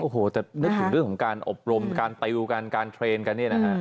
โอ้โหแต่นึกถึงเรื่องของการอบรมการติวกันการเทรนด์กันเนี่ยนะฮะ